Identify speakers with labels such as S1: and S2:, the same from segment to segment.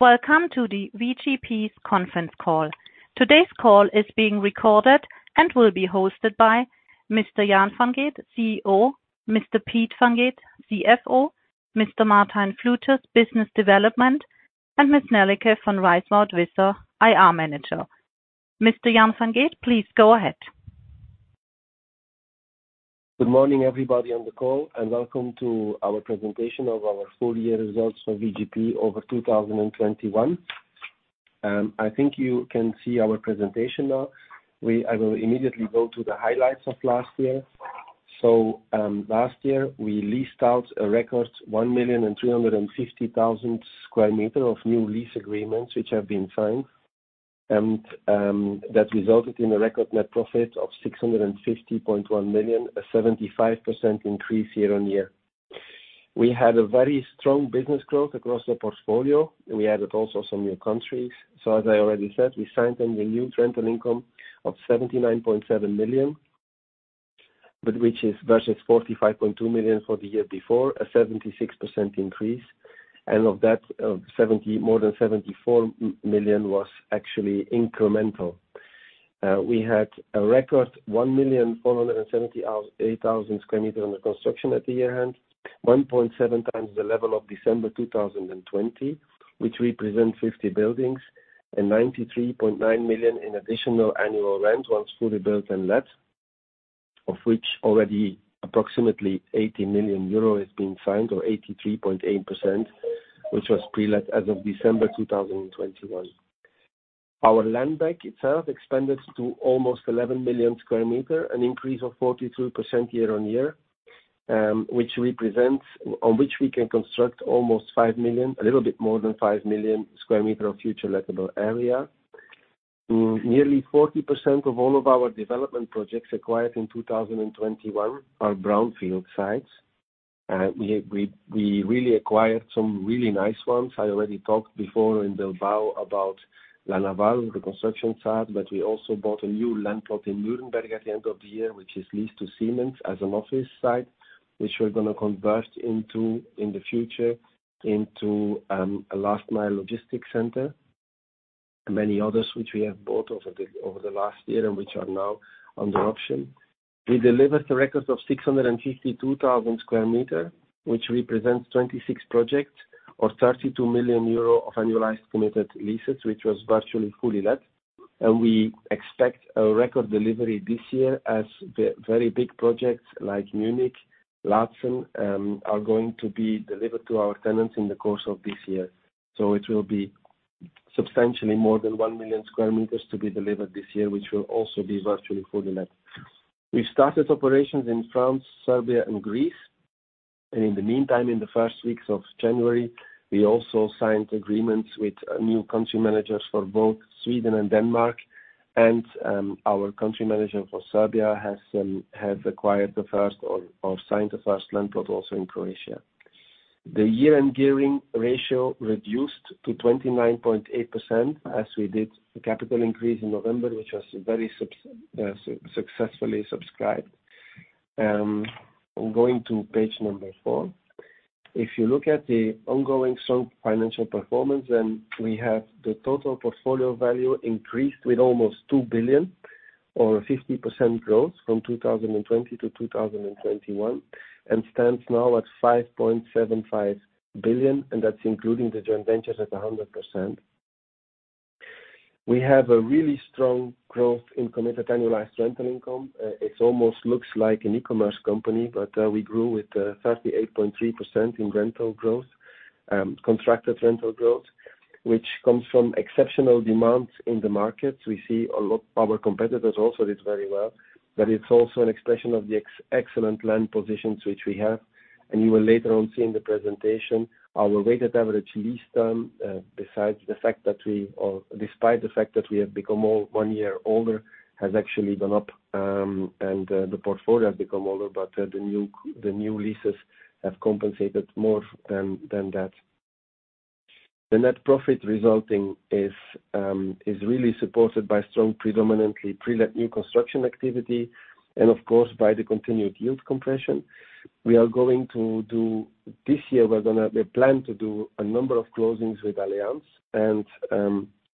S1: Welcome to the VGP's conference call. Today's call is being recorded and will be hosted by Mr. Jan van Geet, CEO, Mr. Piet van Geet, CFO, Mr. Martijn Vlutters, Business Development, and Miss Nelleke van Rijsewijk-Visser, IR Manager. Mr. Jan Van Geet, please go ahead.
S2: Good morning, everybody on the call, and welcome to our presentation of our full year results for VGP over 2021. I think you can see our presentation now. I will immediately go to the highlights of last year. last year, we leased out a record 1,350,000 sq m of new lease agreements, which have been signed. that resulted in a record net profit of 650.1 million, a 75% increase year-on-year. We had a very strong business growth across the portfolio. We added also some new countries. as I already said, we signed a renewed rental income of 79.7 million, but which is versus 45.2 million for the year before, a 76% increase. Of that, more than 74 million was actually incremental. We had a record 1,478,000 sq m under construction at year-end, 1.7x the level of December 2020, which represents 50 buildings and 93.9 million in additional annual rent once fully built and let, of which already approximately 80 million euro has been signed or 83.8%, which was pre-let as of December 2021. Our landbank itself expanded to almost 11 million sq m, an increase of 42% year on year, which represents on which we can construct almost 5 million, a little bit more than 5 million sq m of future lettable area. Nearly 40% of all of our development projects acquired in 2021 are brownfield sites. We really acquired some really nice ones. I already talked before in Bilbao about La Naval, the construction site, but we also bought a new land plot in Nuremberg at the end of the year, which is leased to Siemens as an office site, which we're gonna convert in the future into a last mile logistics center. Many others which we have bought over the last year and which are now under option. We delivered a record of 652,000 sq m, which represents 26 projects or 32 million euro of annualized committed leases, which was virtually fully let. We expect a record delivery this year as the very big projects like Munich, Laatzen, are going to be delivered to our tenants in the course of this year. It will be substantially more than 1 million sq m to be delivered this year, which will also be virtually fully let. We started operations in France, Serbia, and Greece. In the meantime, in the first weeks of January, we also signed agreements with new country managers for both Sweden and Denmark, and our country manager for Serbia has acquired the first or signed the first land plot also in Croatia. The year-end gearing ratio reduced to 29.8% as we did the capital increase in November, which was very successfully subscribed. I'm going to page 4. If you look at the ongoing strong financial performance, then we have the total portfolio value increased with almost 2 billion or a 50% growth from 2020 to 2021, and stands now at 5.75 billion, and that's including the joint ventures at 100%. We have a really strong growth in committed annualized rental income. It's almost looks like an e-commerce company, but we grew with 38.3% in rental growth, contracted rental growth, which comes from exceptional demands in the markets. We see a lot, our competitors also did very well, but it's also an expression of the excellent land positions which we have. You will later on see in the presentation our weighted average lease term, besides the fact that we or despite the fact that we have become all one year older has actually gone up, and the portfolio become older, but the new leases have compensated more than that. The net profit resulting is really supported by strong predominantly pre-let new construction activity and of course, by the continued yield compression. We plan to do a number of closings with Allianz.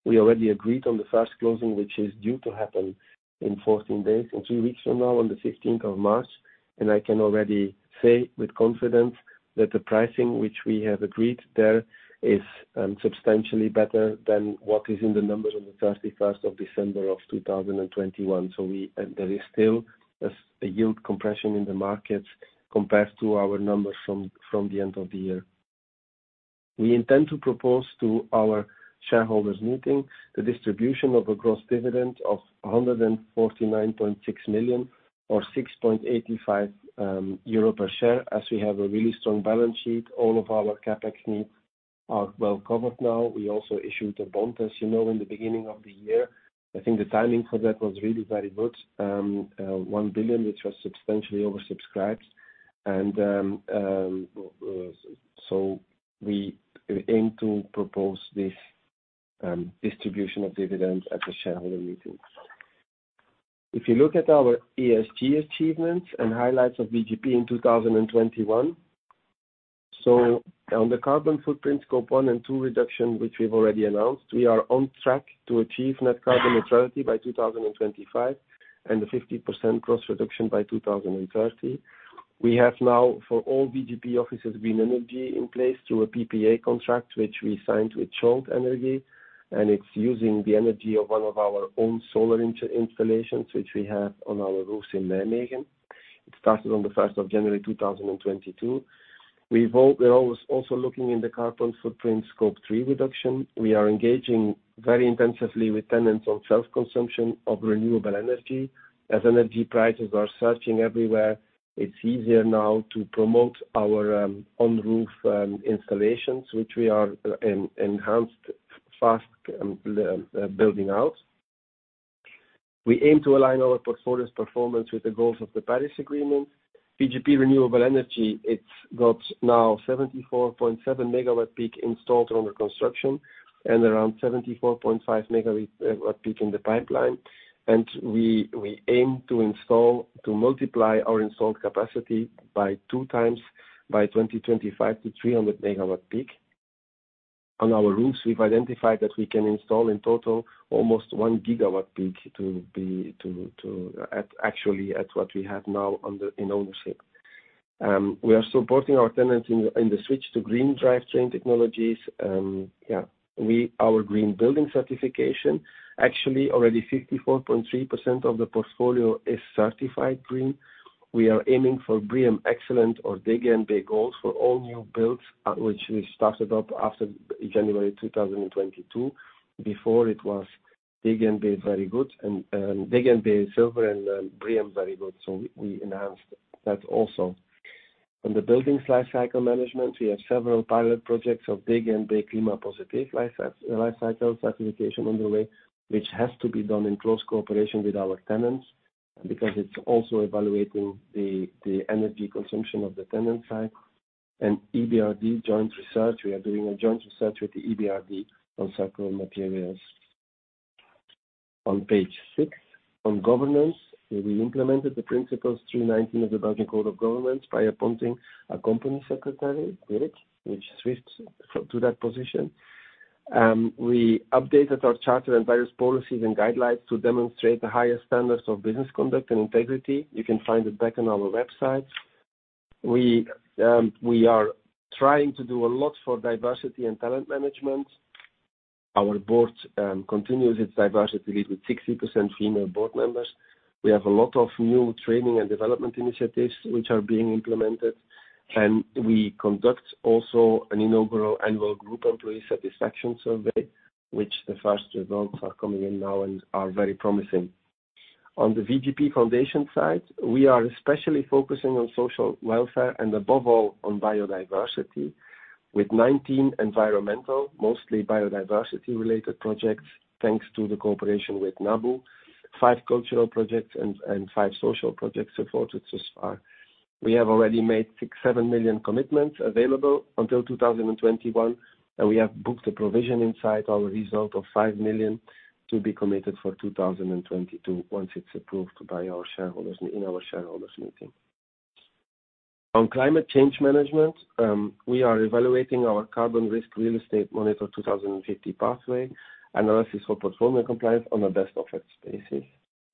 S2: We already agreed on the first closing, which is due to happen in 14 days, in two weeks from now on the 15th of March. I can already say with confidence that the pricing which we have agreed there is substantially better than what is in the numbers on the 31st of December of 2021. There is still a significant yield compression in the markets compared to our numbers from the end of the year. We intend to propose to our shareholders meeting the distribution of a gross dividend of 149.6 million or 6.85 euro per share, as we have a really strong balance sheet. All of our CapEx needs are well covered now. We also issued a bond, as you know, in the beginning of the year. I think the timing for that was really very good. 1 billion, which was substantially oversubscribed. We aim to propose this distribution of dividends at the shareholder meeting. If you look at our ESG achievements and highlights of VGP in 2021. On the carbon footprint scope one and two reduction, which we've already announced, we are on track to achieve net carbon neutrality by 2025 and a 50% gross reduction by 2030. We now have, for all VGP offices, green energy in place through a PPA contract, which we signed with Scholt Energy, and it's using the energy of one of our own solar installations, which we have on our roofs in Nijmegen. It started on the first of January 2022. We're also looking at the carbon footprint scope three reduction. We are engaging very intensively with tenants on self-consumption of renewable energy. As energy prices are surging everywhere, it's easier now to promote our on-roof installations, which we are enhancing fast, building out. We aim to align our portfolio's performance with the goals of the Paris Agreement. VGP Renewable Energy, it's got now 74.7 MW peak installed or under construction and around 74.5 MW peak in the pipeline. We aim to multiply our installed capacity by 2x by 2025 to 300 MW peak. On our roofs, we've identified that we can install in total almost 1 GW peak at actually what we have now under ownership. We are supporting our tenants in the switch to green drivetrain technologies. Our green building certification, actually already 54.3% of the portfolio is certified green. We are aiming for BREEAM Excellent or DGNB Gold for all new builds, which we started up after January 2022. Before it was DGNB Very Good and DGNB Silver and BREEAM Very Good, so we enhanced that also. On the buildings lifecycle management, we have several pilot projects of DGNB Klimapositiv lifecycle certification underway, which has to be done in close cooperation with our tenants because it's also evaluating the energy consumption of the tenant side. EBRD joint research. We are doing a joint research with the EBRD on circular materials. On page six, on governance, we implemented the Principles 319 of the Belgian Code on Corporate Governance by appointing a company secretary, Dirk, which switched to that position. We updated our charter and various policies and guidelines to demonstrate the highest standards of business conduct and integrity. You can find it back on our website. We are trying to do a lot for diversity and talent management. Our board continues its diversity with 60% female board members. We have a lot of new training and development initiatives which are being implemented, and we conduct also an inaugural annual group employee satisfaction survey, which the first results are coming in now and are very promising. On the VGP Foundation side, we are especially focusing on social welfare and above all, on biodiversity, with 19 environmental, mostly biodiversity related projects, thanks to the cooperation with NABU, five cultural projects and five social projects supported thus far. We have already made 6 million-7 million commitments available until 2021, and we have booked a provision inside our result of 5 million to be committed for 2022 once it's approved by our shareholders in our shareholders meeting. On climate change management, we are evaluating our CRREM 2050 pathway analysis for portfolio compliance on a best efforts basis.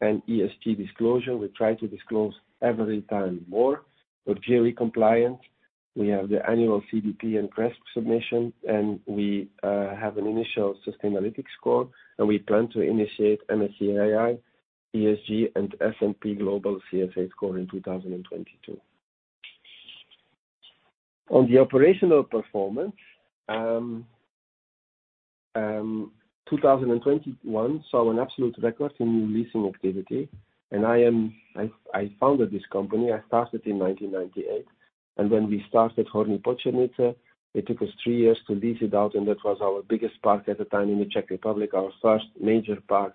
S2: ESG disclosure, we try to disclose every time more. We're GRI compliant. We have the annual CDP and GRESB submission, and we have an initial Sustainalytics score, and we plan to initiate MSCI ESG and S&P Global CSA score in 2022. On the operational performance, 2021 saw an absolute record in new leasing activity. I founded this company. I started in 1998, and when we started Horní Počernice, it took us three years to lease it out, and that was our biggest park at the time in the Czech Republic, our first major park.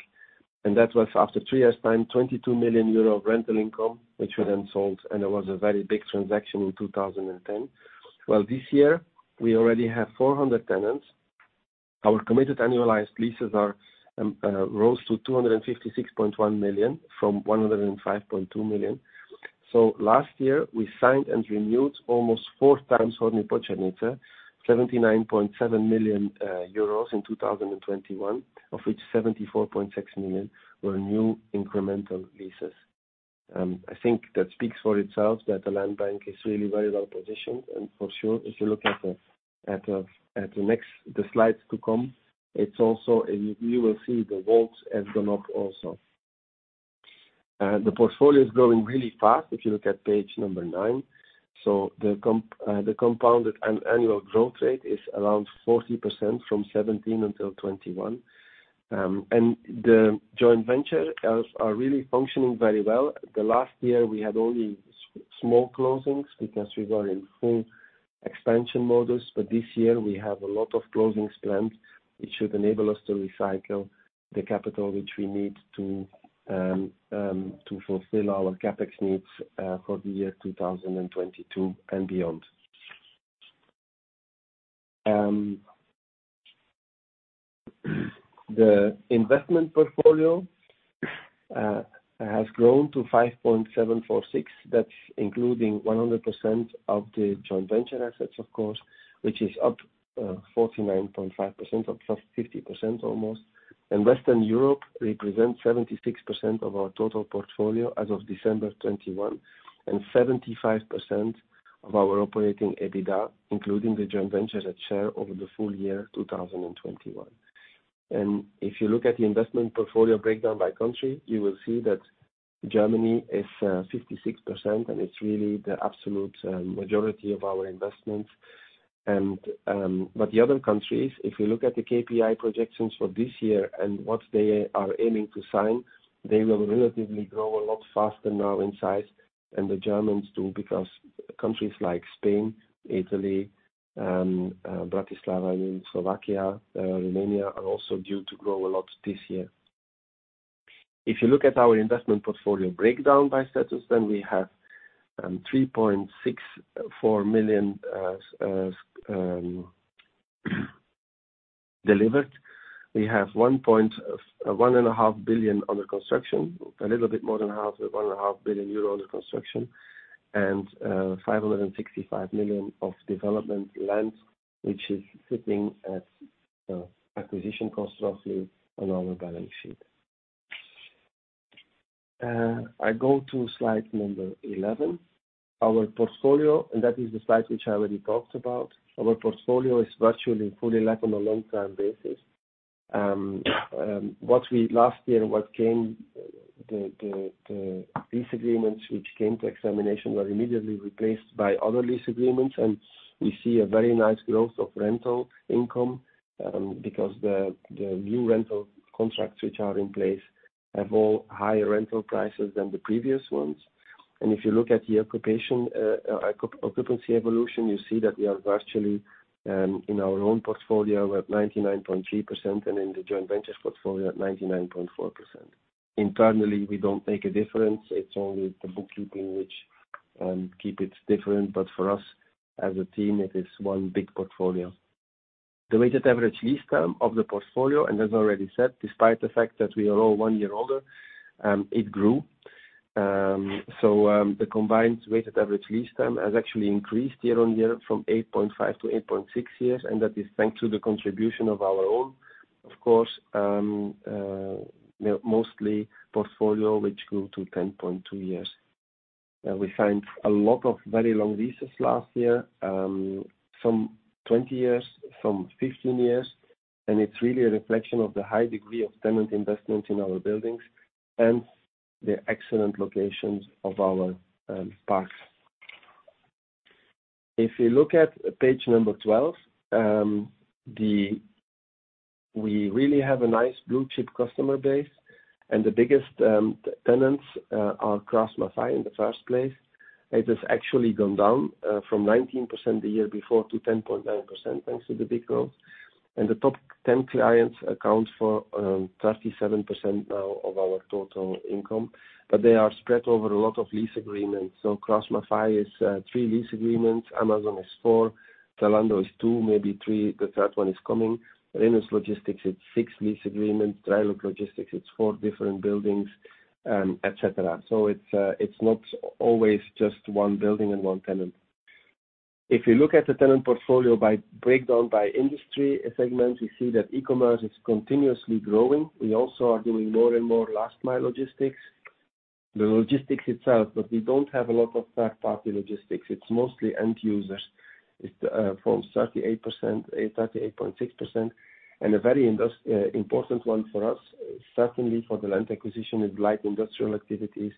S2: That was after three years' time, 22 million euro of rental income, which we then sold, and it was a very big transaction in 2010. Well, this year we already have 400 tenants. Our committed annualized leases rose to 256.1 million from 105.2 million. Last year we signed and renewed almost 4x Horní Počernice, 79.7 million euros in 2021, of which 74.6 million were new incremental leases. I think that speaks for itself that the land bank is really very well positioned. For sure, if you look at the slides to come, you will see the values have gone up also. The portfolio is growing really fast if you look at page nine. The compounded annual growth rate is around 40% from 2017 until 2021. The joint ventures are really functioning very well. Last year we had only small closings because we were in full expansion mode, but this year we have a lot of closings planned, which should enable us to recycle the capital which we need to fulfill our CapEx needs for the year 2022 and beyond. The investment portfolio has grown to 5.746 billion. That's including 100% of the joint venture assets, of course, which is up 49.5% or +50% almost. Western Europe represents 76% of our total portfolio as of December 2021, and 75% of our operating EBITDA, including the joint venture's share over the full year 2021. If you look at the investment portfolio breakdown by country, you will see that Germany is 56%, and it's really the absolute majority of our investments. The other countries, if you look at the KPI projections for this year and what they are aiming to sign, they will relatively grow a lot faster now in size. The Germans too, because countries like Spain, Italy, Bratislava in Slovakia, Romania, are also due to grow a lot this year. If you look at our investment portfolio breakdown by status, then we have 3.64 million as delivered. We have 1.5 billion under construction. A little bit more than half. 1.5 billion euro under construction. 565 million of development land, which is sitting at acquisition cost roughly on our balance sheet. I go to slide number 11. Our portfolio, and that is the slide which I already talked about. Our portfolio is virtually fully let on a long-term basis. Last year, the lease agreements which came to expiration were immediately replaced by other lease agreements. We see a very nice growth of rental income, because the new rental contracts which are in place have all higher rental prices than the previous ones. If you look at the occupancy evolution, you see that we are virtually in our own portfolio, we're at 99.3% and in the joint venture's portfolio at 99.4%. Internally, we don't make a difference. It's only the bookkeeping which keep it different. For us as a team, it is one big portfolio. The weighted average lease term of the portfolio, and as already said, despite the fact that we are all one year older, it grew. The combined weighted average lease term has actually increased year on year from 8.5 to 8.6 years, and that is thanks to the contribution of our own, of course, mostly portfolio, which grew to 10.2 years. We signed a lot of very long leases last year, some 20 years, some 15 years. It's really a reflection of the high degree of tenant investment in our buildings and the excellent locations of our parks. If you look at page 12, we really have a nice blue-chip customer base, and the biggest tenants are Kuehne+Nagel in the first place. It has actually gone down from 19% the year before to 10.9%, thanks to the big growth. The top ten clients account for 37% now of our total income. They are spread over a lot of lease agreements. Kuehne+Nagel is three lease agreements. Amazon is four. Zalando is two, maybe three. The third one is coming. Rhenus Logistics, it's six lease agreements. DHL Logistics, it's four different buildings, et cetera. It's not always just one building and one tenant. If you look at the tenant portfolio by breakdown by industry segment, we see that e-commerce is continuously growing. We also are doing more and more last-mile logistics. The logistics itself, but we don't have a lot of third-party logistics. It's mostly end users. It forms 38.6%. A very important one for us, certainly for the land acquisition, is light industrial activities,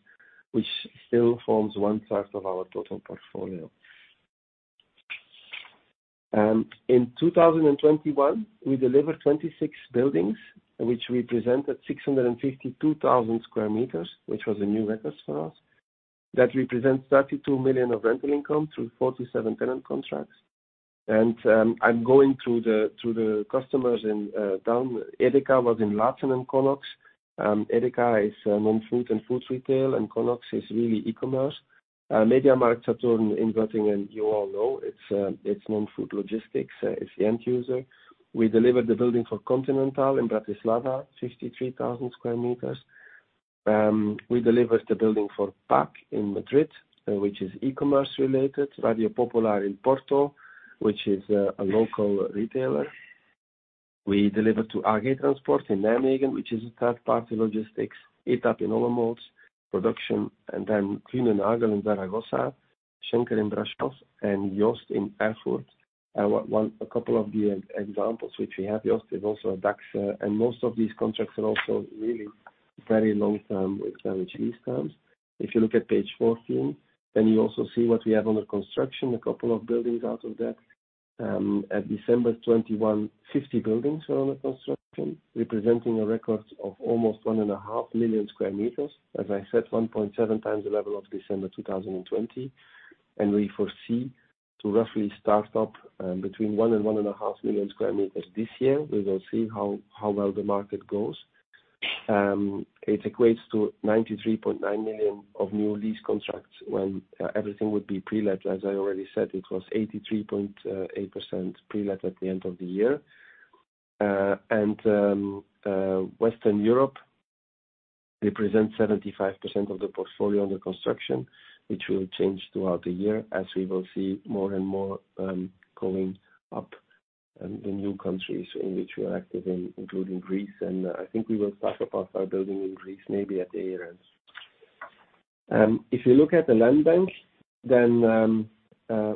S2: which still forms one part of our total portfolio. In 2021, we delivered 26 buildings, which represented 652,000 sq m, which was a new record for us. That represents 32 million of rental income through 47 tenant contracts. I'm going through the customers now. EDEKA was in Laatzen and Connox. EDEKA is food and foods retail, and Connox is really e-commerce. MediaMarktSaturn in Göttingen you all know. It's non-food logistics. It's the end user. We delivered the building for Continental in Bratislava, 63,000 sq m. We delivered the building for Paack in Madrid, which is e-commerce related. Rádio Popular in Porto, which is a local retailer. We delivered to AG Transport in Nijmegen, which is a third-party logistics. ETAP in Olomouc, production. Kuehne+Nagel in Zaragoza, DB Schenker in Brașov, and Jost in Erfurt. A couple of the examples which we have. Jost is also a Dachser. Most of these contracts are also really very long-term with average lease terms. If you look at page 14, then you also see what we have under construction, a couple of buildings out of that. At December 2021, 50 buildings were under construction, representing a record of almost 1.5 million sq m. As I said, 1.7x the level of December 2020. We foresee to roughly start up between 1 and 1.5 million sq m this year. We will see how well the market goes. It equates to 93.9 million of new lease contracts when everything would be pre-let. As I already said, it was 83.8% pre-let at the end of the year. Western Europe represents 75% of the portfolio under construction, which will change throughout the year as we will see more and more going up in the new countries in which we are active in, including Greece. I think we will talk about our building in Greece maybe at the year end. If you look at the land bank,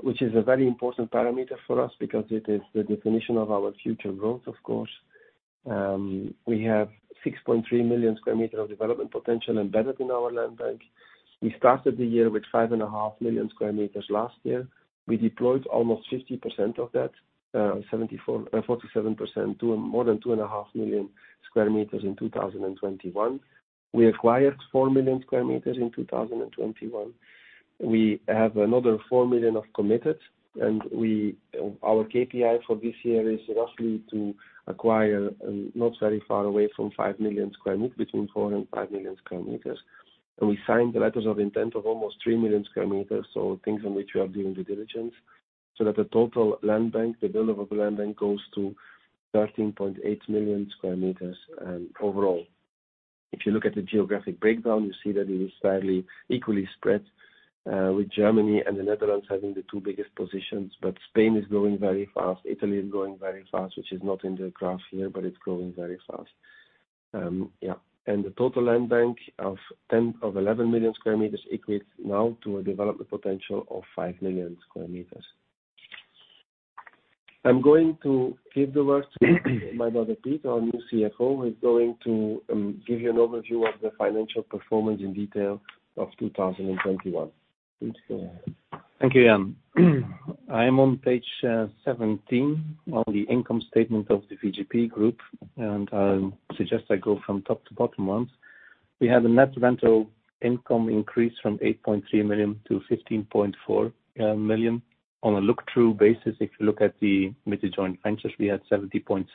S2: which is a very important parameter for us because it is the definition of our future growth, of course. We have 6.3 million sq m of development potential embedded in our land bank. We started the year with 5.5 million sq m last year. We deployed almost 50% of that, 47% to more than 2.5 million sq m in 2021. We acquired 4 million sq m in 2021. We have another 4 million of committed. Our KPI for this year is roughly to acquire, not very far away from 5 million sq m, between 4 million and 5 million sq m. We signed the letters of intent of almost 3 million sq m, so things in which we are doing due diligence, so that the total land bank, the built land bank goes to 13.8 million sq m overall. If you look at the geographic breakdown, you see that it is fairly equally spread with Germany and the Netherlands having the two biggest positions. Spain is growing very fast, Italy is growing very fast, which is not in the graph here, but it's growing very fast. The total land bank of 11 million sq m equates now to a development potential of 5 million sq m. I'm going to give the word to my brother, Piet, our new CFO, who is going to give you an overview of the financial performance in detail of 2021. Piet, go ahead.
S3: Thank you, Jan. I am on page 17 on the income statement of the VGP Group, and I'll just go from top to bottom once. We had a net rental income increase from 8.3 million to 15.4 million. On a look-through basis, if you look at the major joint ventures, we had 70.7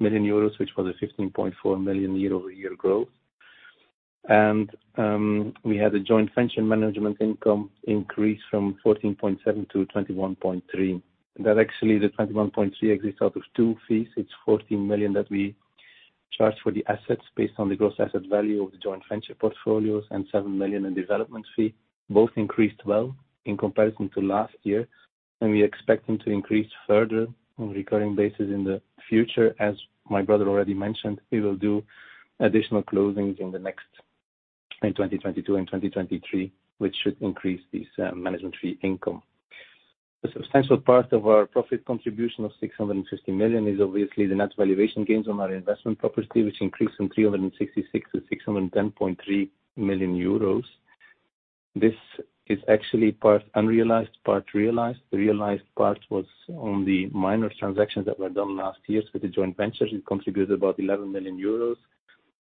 S3: million euros, which was a 15.4 million year-over-year growth. We had a joint venture management income increase from 14.7 million-21.3 million. That actually, the 21.3 million consists of two fees. It's 14 million that we charge for the assets based on the gross asset value of the joint venture portfolios and 7 million in development fee. Both increased well in comparison to last year, and we expect them to increase further on recurring basis in the future. As my brother already mentioned, we will do additional closings in 2022 and 2023, which should increase this management fee income. A substantial part of our profit contribution of 650 million is obviously the net valuation gains on our investment property, which increased from 366 million-610.3 million euros. This is actually part unrealized, part realized. The realized part was on the minor transactions that were done last year. The joint ventures, it contributed about 11 million euros,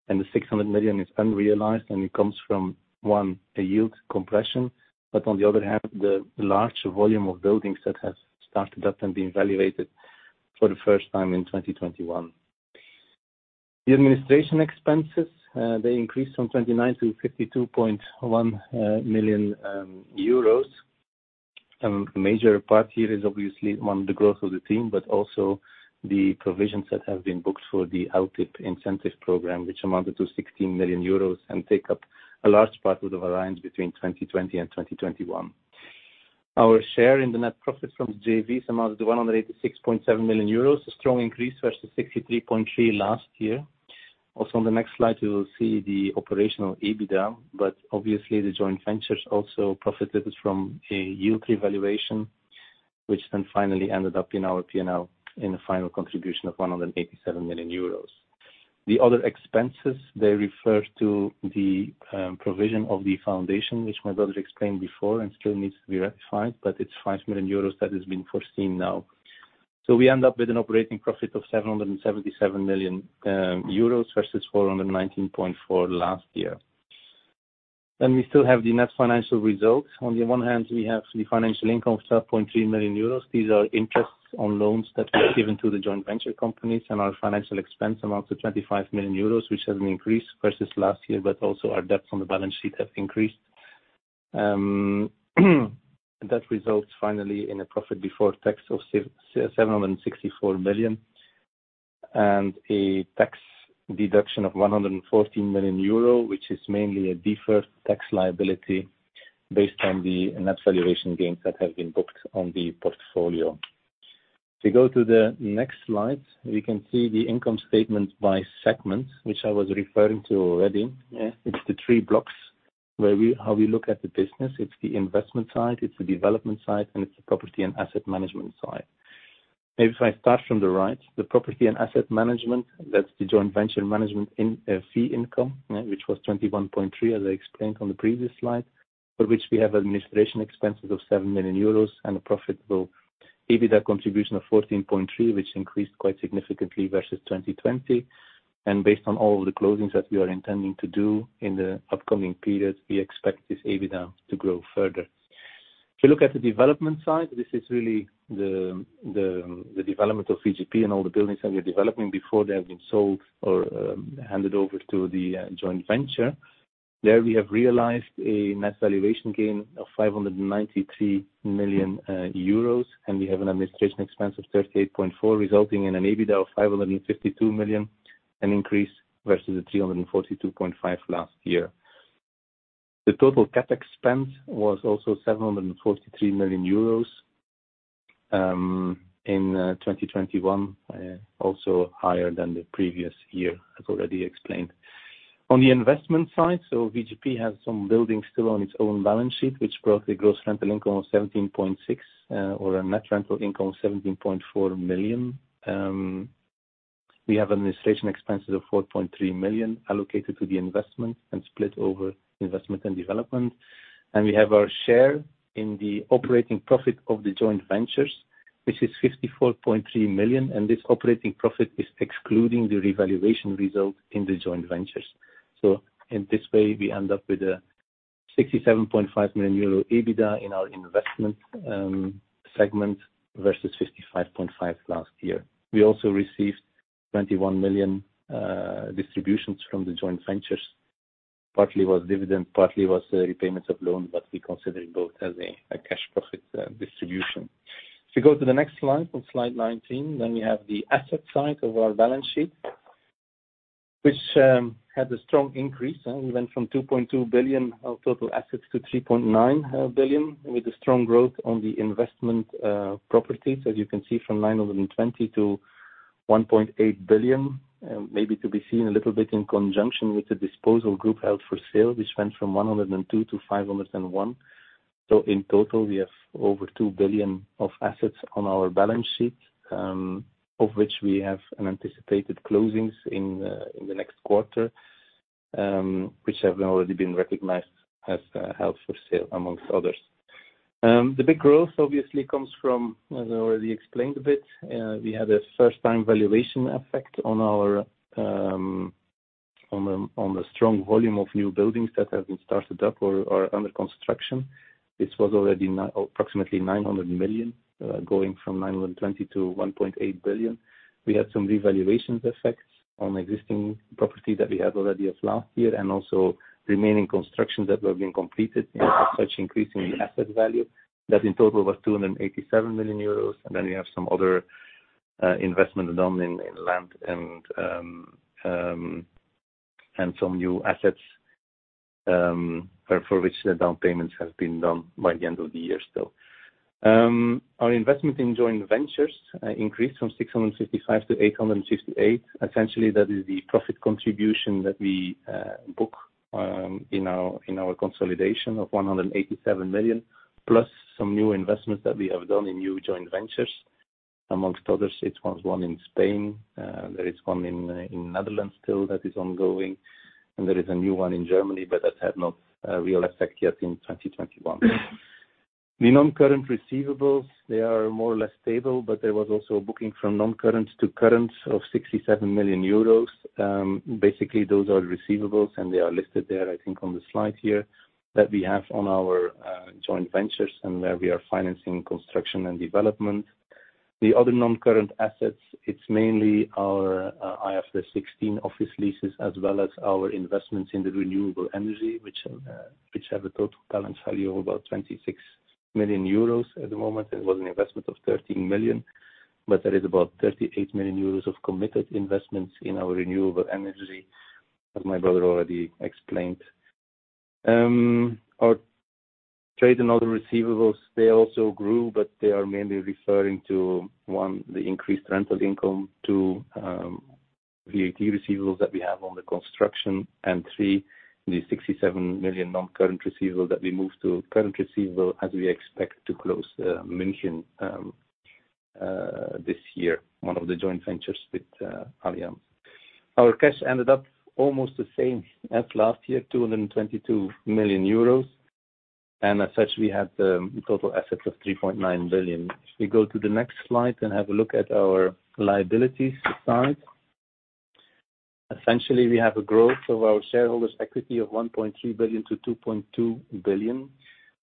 S3: and the 600 million is unrealized, and it comes from, one, a yield compression. But on the other half, the large volume of buildings that has started up and being valuated for the first time in 2021. The administration expenses, they increased from 29 million-52.1 million euros. The major part here is obviously, one, the growth of the team, but also the provisions that have been booked for the LTIP incentive program, which amounted to 16 million euros and take up a large part of the variance between 2020 and 2021. Our share in the net profits from the JVs amounted to 186.7 million euros. A strong increase versus 63.3 million last year. Also, on the next slide, you will see the operational EBITDA, but obviously the joint ventures also profited from a yield revaluation, which then finally ended up in our P&L in a final contribution of 187 million euros. The other expenses, they refer to the provision of the foundation, which my brother explained before and still needs to be rectified, but it's 5 million euros that has been foreseen now. We end up with an operating profit of 777 million euros versus 419.4 million last year. We still have the net financial results. On the one hand, we have the financial income of 12.3 million euros. These are interest on loans that were given to the joint venture companies, and our financial expense amounts to 25 million euros, which has increased versus last year. Also our debts on the balance sheet have increased. That results finally in a profit before tax of 764 million and a tax deduction of 114 million euro, which is mainly a deferred tax liability based on the net valuation gains that have been booked on the portfolio. If you go to the next slide, we can see the income statement by segment, which I was referring to already.
S2: Yeah.
S3: It's the three blocks how we look at the business. It's the investment side, it's the development side, and it's the property and asset management side. Maybe if I start from the right, the property and asset management, that's the joint venture management in fee income, which was 21.3 million, as I explained on the previous slide. For which we have administration expenses of 7 million euros and a profitable EBITDA contribution of 14.3 million, which increased quite significantly versus 2020. Based on all the closings that we are intending to do in the upcoming periods, we expect this EBITDA to grow further. If you look at the development side, this is really the development of VGP and all the buildings that we are developing before they have been sold or handed over to the joint venture. There, we have realized a net valuation gain of 593 million euros, and we have an administration expense of 38.4 million, resulting in an EBITDA of 552 million, an increase versus the 342.5 million last year. The total CapEx spend was also 743 million euros in 2021, also higher than the previous year, as already explained. On the investment side, VGP has some buildings still on its own balance sheet, which brought a gross rental income of 17.6 or a net rental income of 17.4 million. We have administration expenses of 4.3 million allocated to the investment and split over investment and development. We have our share in the operating profit of the joint ventures, which is 54.3 million, and this operating profit is excluding the revaluation result in the joint ventures. In this way, we end up with a 67.5 million euro EBITDA in our investment segment versus 55.5 last year. We also received 21 million distributions from the joint ventures. Partly was dividend, partly was the repayments of loans, but we consider it both as a cash profit distribution. If you go to the next slide, on slide 19, then we have the asset side of our balance sheet, which had a strong increase. We went from 2.2 billion of total assets to 3.9 billion with a strong growth on the investment properties, as you can see, from 920 million-1.8 billion. Maybe to be seen a little bit in conjunction with the disposal group held for sale, which went from 102-501. In total, we have over 2 billion of assets on our balance sheet, of which we have an anticipated closings in the next quarter, which have already been recognized as held for sale among others. The big growth obviously comes from, as I already explained a bit, we had a first-time valuation effect on the strong volume of new buildings that have been started up or are under construction. This was already approximately 900 million, going from 920 million-1.8 billion. We had some revaluation effects on existing property that we had already as last year and also remaining constructions that were being completed, as such, increasing the asset value. That in total was 287 million euros. Then we have some other investment done in land and some new assets for which the down payments have been done by the end of the year still. Our investment in joint ventures increased from 665 to 868. Essentially, that is the profit contribution that we book in our consolidation of 187 million, plus some new investments that we have done in new joint ventures. Among others, it was one in Spain. There is one in Netherlands still that is ongoing, and there is a new one in Germany, but that had not a real effect yet in 2021. The non-current receivables, they are more or less stable, but there was also a booking from non-current to current of 67 million euros. Basically, those are receivables, and they are listed there, I think on the slide here, that we have on our joint ventures and where we are financing construction and development. The other non-current assets, it's mainly our IFRS 16 office leases as well as our investments in the renewable energy which have a total balance value of about 26 million euros at the moment. It was an investment of 13 million, but there is about 38 million euros of committed investments in our renewable energy, as my brother already explained. Our trade and other receivables, they also grew, but they are mainly referring to, one, the increased rental income, two, VAT receivables that we have on the construction, and three, the 67 million non-current receivable that we moved to current receivable as we expect to close München this year, one of the joint ventures with Allianz. Our cash ended up almost the same as last year, 222 million euros. As such, we had total assets of 3.9 billion. If we go to the next slide and have a look at our liabilities side. Essentially, we have a growth of our shareholders' equity of 1.3 billion-2.2 billion.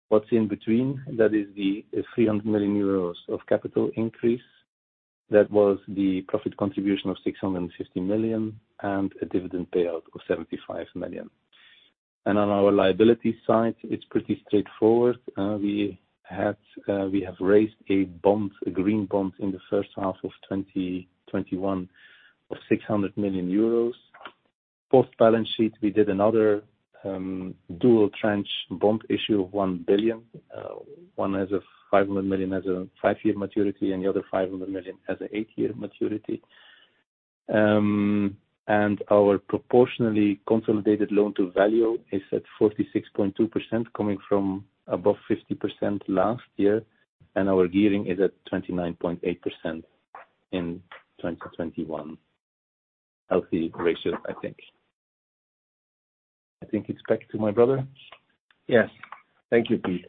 S3: What's in between? That is the 300 million euros of capital increase. That was the profit contribution of 650 million and a dividend payout of 75 million. On our liability side, it's pretty straightforward. We have raised a bond, a green bond, in the first half of 2021 of 600 million euros. Post-balance sheet, we did another dual tranche bond issue of 1 billion. One has a 500 million with a five-year maturity, and the other 500 million has an eight-year maturity. Our proportionally consolidated loan to value is at 46.2%, coming from above 50% last year, and our gearing is at 29.8% in 2021. Healthy ratio, I think. I think it's back to my brother.
S2: Yes. Thank you, Piet.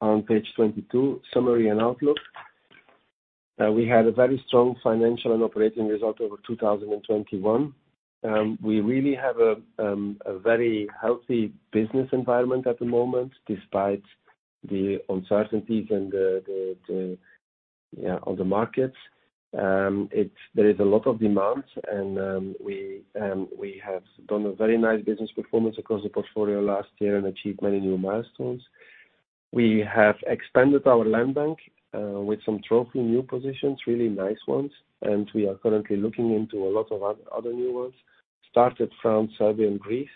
S2: On page 22, summary and outlook. We had a very strong financial and operating result over 2021. We really have a very healthy business environment at the moment, despite the uncertainties on the markets. There is a lot of demand and we have done a very nice business performance across the portfolio last year and achieved many new milestones. We have expanded our land bank with some trophy new positions, really nice ones, and we are currently looking into a lot of other new ones, started from Serbia and Greece.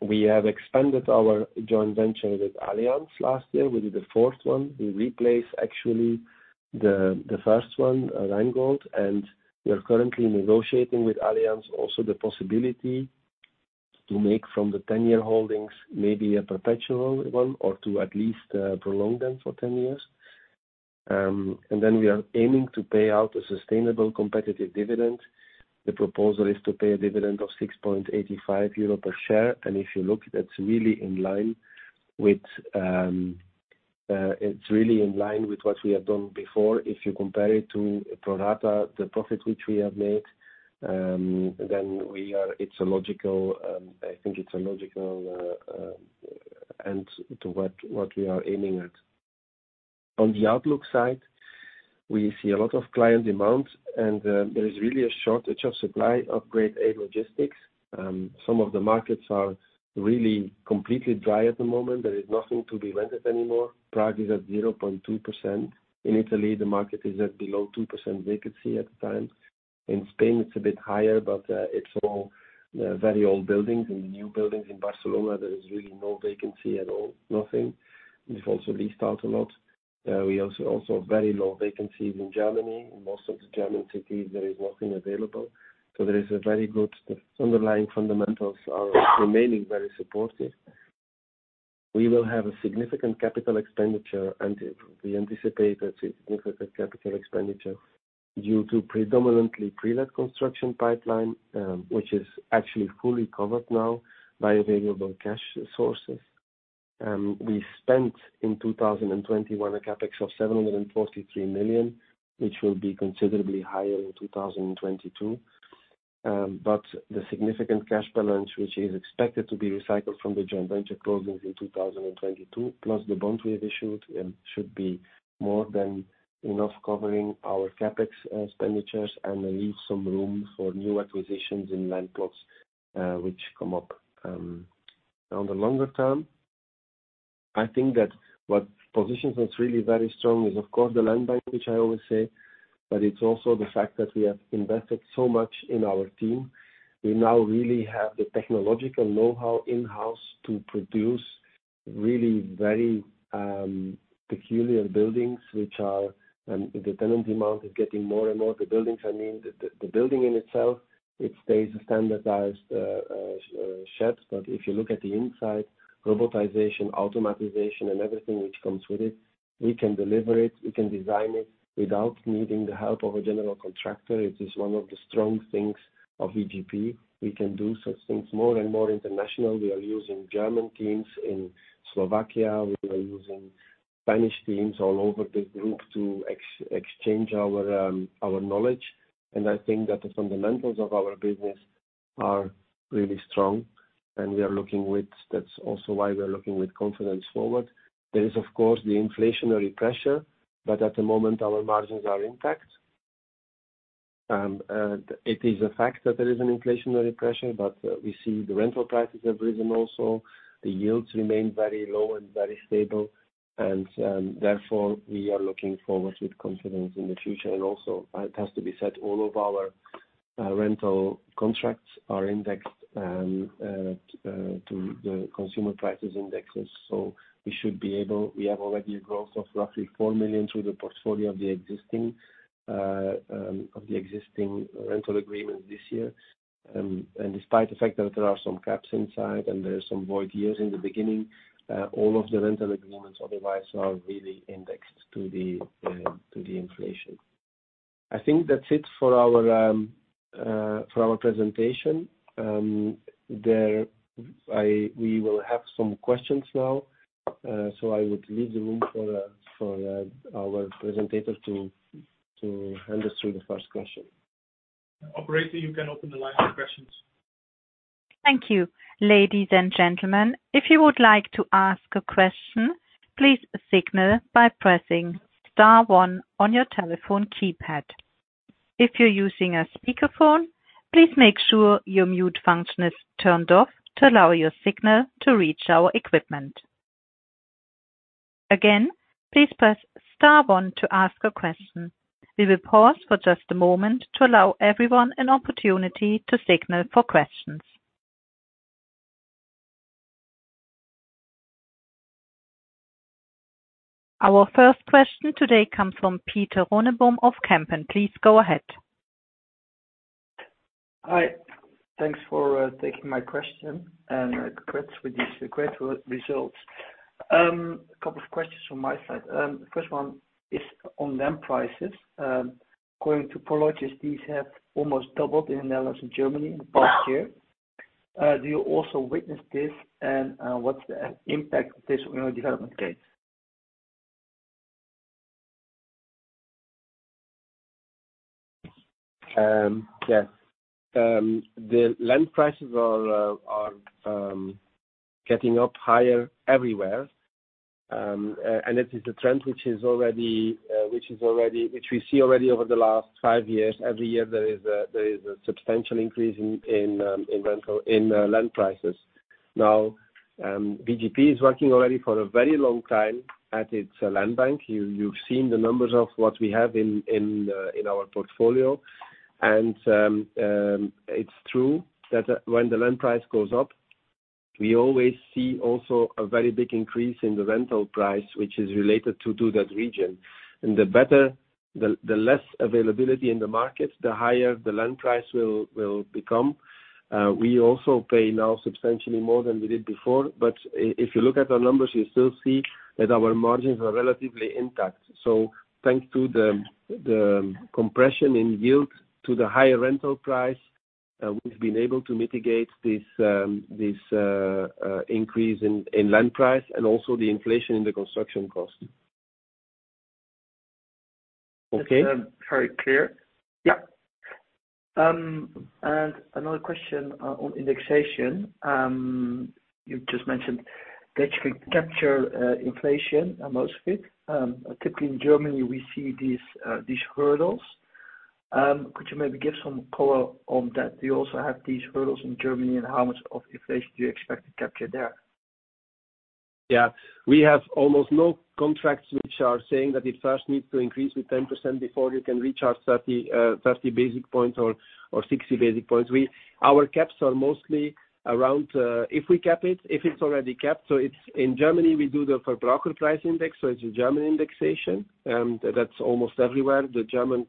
S2: We have expanded our joint venture with Allianz last year. We did a fourth one. We replaced actually the first one, Rheingold, and we are currently negotiating with Allianz also the possibility to make from the 10-year holdings maybe a perpetual one or to at least prolong them for 10 years. We are aiming to pay out a sustainable competitive dividend. The proposal is to pay a dividend of 6.85 euro per share. If you look, that's really in line with what we have done before. If you compare it to pro rata, the profit which we have made, then it's a logical, I think it's a logical end to what we are aiming at. On the outlook side, we see a lot of client demand and there is really a shortage of supply of grade A logistics. Some of the markets are really completely dry at the moment. There is nothing to be rented anymore. Prague is at 0.2%. In Italy, the market is at below 2% vacancy at the time. In Spain, it's a bit higher, but it's all very old buildings. In the new buildings in Barcelona, there is really no vacancy at all, nothing. It's also leased out a lot. We also very low vacancies in Germany. In most of the German cities, there is nothing available. There is a very good. The underlying fundamentals are remaining very supportive. We will have a significant capital expenditure, and we anticipate a significant capital expenditure due to predominantly pre-let construction pipeline, which is actually fully covered now by available cash sources. We spent in 2021 a CapEx of 743 million, which will be considerably higher in 2022. The significant cash balance, which is expected to be recycled from the joint venture closings in 2022, plus the bond we have issued, should be more than enough covering our CapEx expenditures and leave some room for new acquisitions in land plots which come up on the longer-term. I think that what positions us really very strong is of course the land bank, which I always say, but it's also the fact that we have invested so much in our team. We now really have the technological know-how in-house to produce really very peculiar buildings. The tenant demand is getting more and more. The buildings I mean. The building in itself stays a standardized sheds. But if you look at the inside, robotization, automatization and everything which comes with it, we can deliver it, we can design it without needing the help of a general contractor. It is one of the strong things of VGP. We can do such things more and more international. We are using German teams in Slovakia. We are using Spanish teams all over the group to exchange our knowledge. I think that the fundamentals of our business are really strong. That's also why we are looking with confidence forward. There is of course the inflationary pressure, but at the moment our margins are intact. It is a fact that there is an inflationary pressure, but we see the rental prices have risen also. The yields remain very low and very stable and, therefore we are looking forward with confidence in the future. It has to be said, all of our rental contracts are indexed to the consumer price indexes. We have already a growth of roughly 4 million through the portfolio of the existing rental agreement this year. Despite the fact that there are some caps inside and there are some void years in the beginning, all of the rental agreements otherwise are really indexed to the inflation. I think that's it for our presentation. We will have some questions now. I would leave the room for our presentation to handle through the first question.
S4: Operator, you can open the line for questions.
S1: Thank you. Ladies and gentlemen, if you would like to ask a question, please signal by pressing star one on your telephone keypad. If you're using a speakerphone, please make sure your mute function is turned off to allow your signal to reach our equipment. Again, please press star one to ask a question. We will pause for just a moment to allow everyone an opportunity to signal for questions. Our first question today comes from Pieter Runneboom of Kempen. Please go ahead.
S5: Hi. Thanks for taking my question and congrats with these great results. A couple of questions from my side. The first one is on land prices. According to Prologis, these have almost doubled in the Netherlands and Germany in the past year. Do you also witness this and, what's the impact of this on your development case?
S2: Yeah. The land prices are getting up higher everywhere. It is a trend which we see already over the last five years. Every year, there is a substantial increase in land prices. Now, VGP is working already for a very long time at its land bank. You've seen the numbers of what we have in our portfolio. It's true that when the land price goes up, we always see also a very big increase in the rental price which is related to that region. The less availability in the market, the higher the land price will become. We also pay now substantially more than we did before. If you look at our numbers, you still see that our margins are relatively intact. Thanks to the compression in yield to the higher rental price, we've been able to mitigate this increase in land price and also the inflation in the construction cost. Okay.
S5: That's very clear.
S2: Yeah.
S5: Another question on indexation. You just mentioned that you can capture inflation and most of it. Typically in Germany we see these hurdles. Could you maybe give some color on that? Do you also have these hurdles in Germany and how much of inflation do you expect to capture there?
S2: Yeah. We have almost no contracts which are saying that it first needs to increase with 10% before you can reach our 30 basis points or 60 basis points. Our caps are mostly around, if we cap it, if it's already capped. In Germany, we do the Verbraucherpreisindex, so it's a German indexation, and that's almost everywhere. The Germans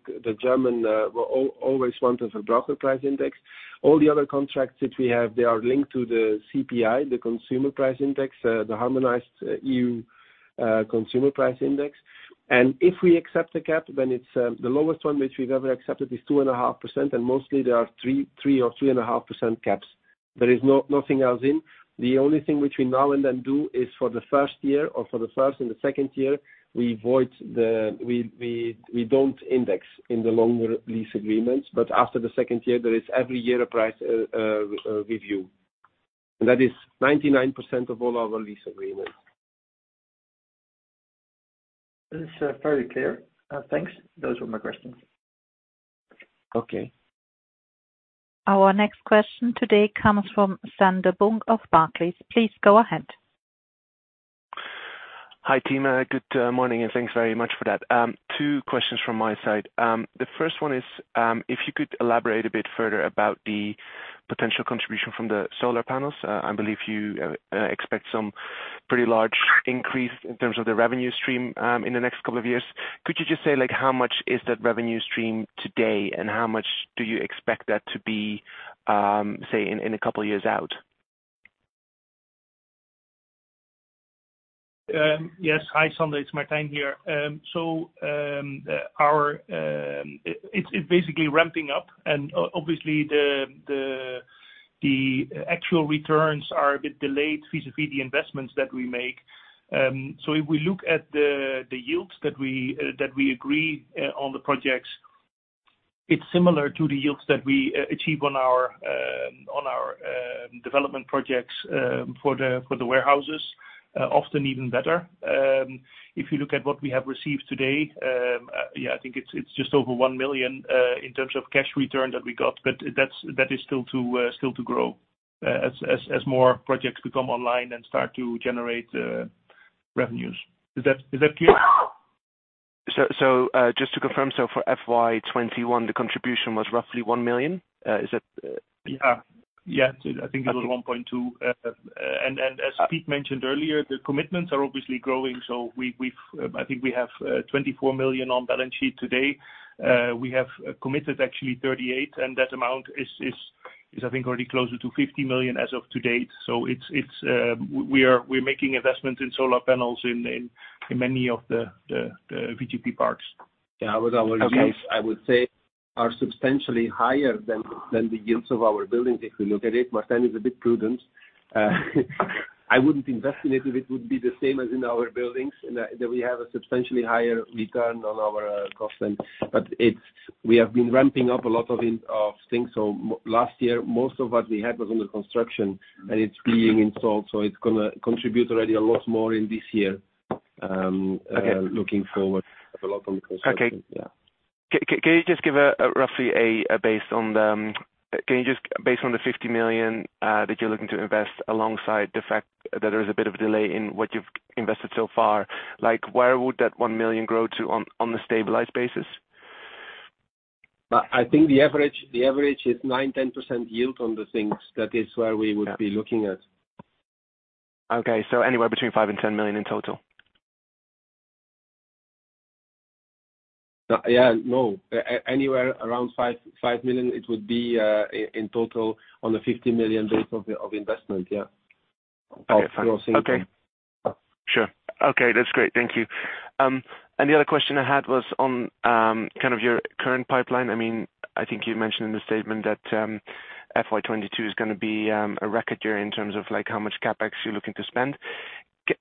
S2: always want the Verbraucherpreisindex. All the other contracts that we have, they are linked to the CPI, the Consumer Price Index, the harmonized EU Consumer Price Index. If we accept the cap, then it's the lowest one which we've ever accepted is 2.5%, and mostly there are 3% or 3.5% caps. There is nothing else in. The only thing which we now and then do is for the first year or for the first and the second year, we don't index in the longer lease agreements, but after the second year, there is every year a price review. That is 99% of all our lease agreements.
S5: This is fairly clear. Thanks. Those were my questions.
S2: Okay.
S1: Our next question today comes from Sander Bunck of Barclays. Please go ahead.
S6: Hi, team. Good morning, and thanks very much for that. Two questions from my side. The first one is, if you could elaborate a bit further about the potential contribution from the solar panels. I believe you expect some pretty large increase in terms of the revenue stream in the next couple of years. Could you just say, like, how much is that revenue stream today, and how much do you expect that to be, say, in a couple of years out?
S4: Yes. Hi, Sander. It's Martijn here. It's basically ramping up, and obviously, the actual returns are a bit delayed vis-à-vis the investments that we make. If we look at the yields that we agree on the projects, it's similar to the yields that we achieve on our development projects for the warehouses, often even better. If you look at what we have received today, I think it's just over 1 million in terms of cash return that we got, but that is still to grow as more projects become online and start to generate revenues. Is that clear?
S6: Just to confirm, for FY 2021, the contribution was roughly 1 million. Is that.
S4: Yes, I think it was 1.2. As Pete mentioned earlier, the commitments are obviously growing, so I think we have 24 million on balance sheet today. We have committed actually 38, and that amount is I think already closer to 50 million as of to date. We're making investments in solar panels in many of the VGP parks.
S2: Yeah. Our yields.
S6: Okay.
S2: I would say are substantially higher than the yields of our buildings if you look at it. Martijn is a bit prudent. I wouldn't invest in it if it would be the same as in our buildings, in that we have a substantially higher return on our costs than. We have been ramping up a lot of things. Last year, most of what we had was under construction, and it's being installed, so it's gonna contribute already a lot more in this year.
S6: Okay.
S2: Looking forward. A lot on the construction.
S6: Okay.
S2: Yeah.
S6: Can you just based on the 50 million that you're looking to invest alongside the fact that there is a bit of a delay in what you've invested so far, like, where would that 1 million grow to on the stabilized basis?
S2: I think the average is 9%-10% yield on the things. That is where we would.
S6: Yeah.
S2: Be looking at.
S6: Okay. Anywhere between 5 million and 10 million in total?
S2: Yeah. No. Anywhere around 5 million it would be in total on the 50 million base of investment, yeah.
S6: Okay, fine. Okay. Sure. Okay, that's great. Thank you. The other question I had was on kind of your current pipeline. I mean, I think you mentioned in the statement that FY 2022 is gonna be a record year in terms of like how much CapEx you're looking to spend.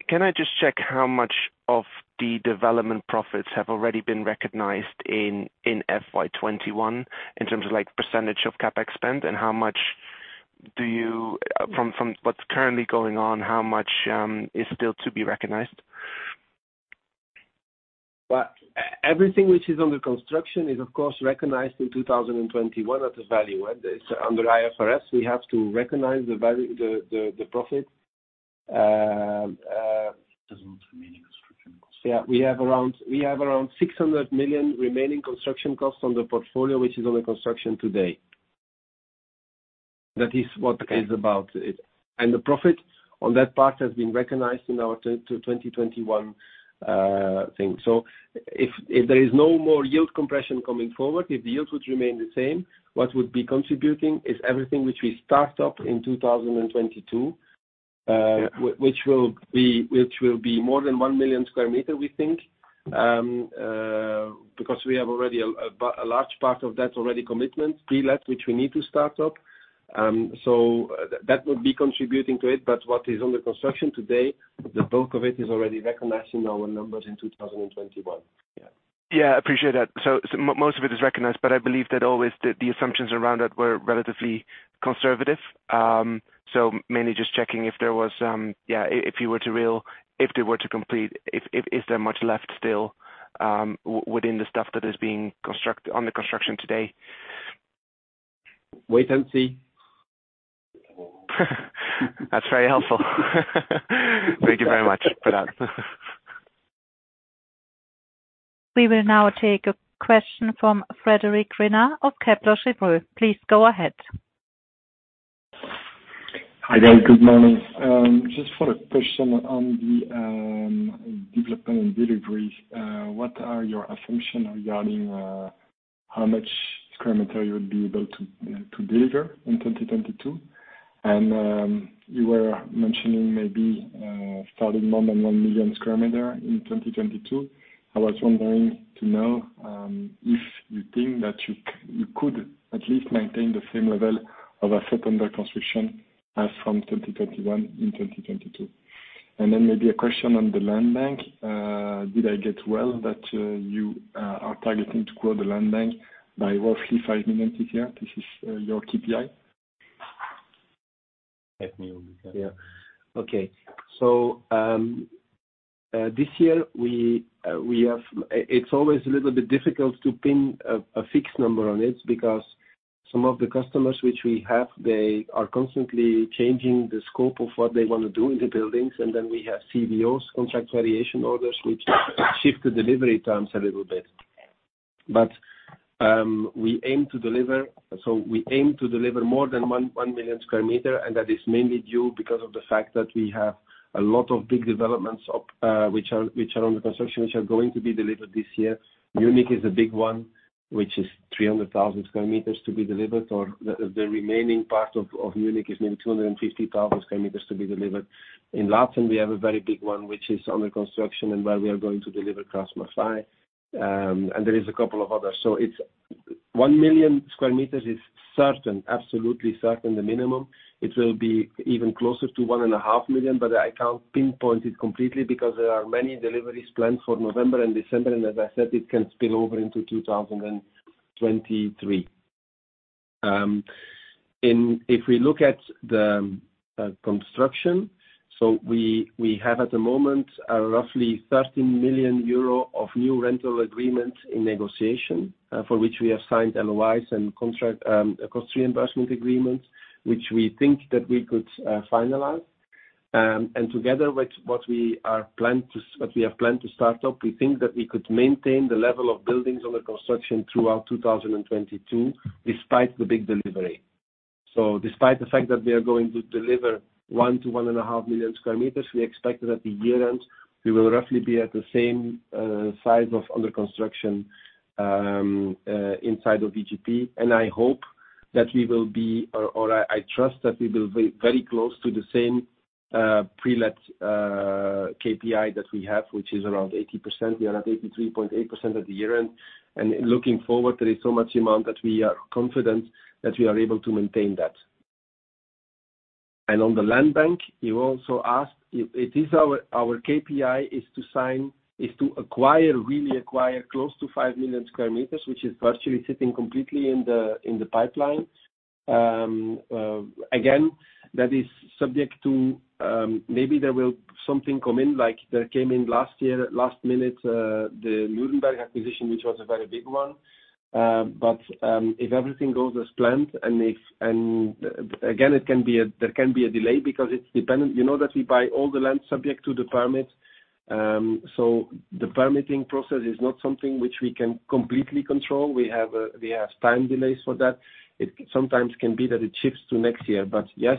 S6: Can I just check how much of the development profits have already been recognized in FY 2021 in terms of like percentage of CapEx spend, and how much do you from what's currently going on, how much is still to be recognized?
S2: Well, everything which is under construction is of course recognized in 2021 at the value end. It's under IFRS, we have to recognize the value, the profit.
S6: Doesn't want the remaining construction costs.
S2: Yeah. We have around 600 million remaining construction costs on the portfolio, which is under construction today. That is what it is about. The profit on that part has been recognized in our 2021 thing. If there is no more yield compression coming forward, if the yields would remain the same, what would be contributing is everything which we start up in 2022.
S6: Yeah.
S2: which will be more than 1 million sq m, we think. Because we have already a large part of that already committed pre-let which we need to start up. So that would be contributing to it. What is under construction today, the bulk of it is already recognized in our numbers in 2021.
S6: Yeah, I appreciate that. Most of it is recognized, but I believe that always the assumptions around it were relatively conservative. Mainly just checking if they were to complete, is there much left still within the stuff that is under construction today?
S2: Wait and see.
S6: That's very helpful. Thank you very much for that.
S1: We will now take a question from Frédéric Renard of Kepler Cheuvreux. Please go ahead.
S7: Hi there. Good morning. Just for a question on the development and deliveries. What are your assumption regarding how much sq m you would be able to deliver in 2022? You were mentioning maybe starting more than 1 million sq m in 2022. I was wondering to know if you think that you could at least maintain the same level of asset under construction as from 2021 in 2022. Then maybe a question on the land bank. Did I get well that you are targeting to grow the land bank by roughly 5 million this year? This is your KPI.
S2: 5 million. Okay. This year, it's always a little bit difficult to pin a fixed number on it because some of the customers which we have, they are constantly changing the scope of what they wanna do in the buildings, and then we have CVOs, contract variation orders, which shift the delivery terms a little bit. We aim to deliver more than 1 million sq m, and that is mainly due because of the fact that we have a lot of big developments up which are under construction which are going to be delivered this year. Munich is a big one, which is 300,000 sq m to be delivered, or the remaining part of Munich is maybe 250,000 sq m to be delivered. In Laatzen, we have a very big one, which is under construction and where we are going to deliver KraussMaffei. There is a couple of others. It's 1,000,000 sq m is certain, absolutely certain, the minimum. It will be even closer to 1,500,000 sq m, but I can't pinpoint it completely because there are many deliveries planned for November and December, and as I said, it can spill over into 2023. If we look at the construction, we have at the moment roughly 13 million euro of new rental agreements in negotiation, for which we have signed LOIs and contract cost reimbursement agreements, which we think that we could finalize. Together with what we have planned to start up, we think that we could maintain the level of buildings under construction throughout 2022, despite the big delivery. Despite the fact that we are going to deliver 1-1.5 million sq m, we expect that at the year-end, we will roughly be at the same size of under construction inside of VGP. I trust that we will be very close to the same pre-let KPI that we have, which is around 80%. We are at 83.8% at the year end. Looking forward, there is so much demand that we are confident that we are able to maintain that. On the land bank, you also asked, it is our KPI to acquire close to 5 million sq m, which is virtually sitting completely in the pipeline. Again, that is subject to maybe there will be something come in like there came in last year, last minute, the Nuremberg acquisition, which was a very big one. If everything goes as planned, and again, there can be a delay because it's dependent. You know that we buy all the land subject to the permit. The permitting process is not something which we can completely control. We have time delays for that. It sometimes can be that it shifts to next year. Yes,